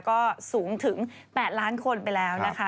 ก็สูงถึง๘ล้านคนไปแล้วนะคะ